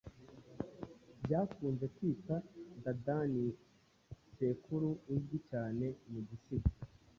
bakunze kwita dadaNi sekuru uzwi cyane mu gisigo